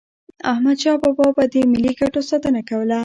احمدشاه بابا به د ملي ګټو ساتنه کوله.